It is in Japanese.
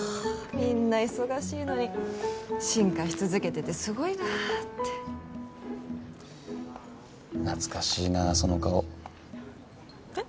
みんな忙しいのに進化し続けててすごいなって懐かしいなその顔えっ？